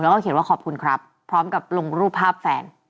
แล้วก็เขียนว่าขอบคุณครับพร้อมกับลงรูปภาพแฟน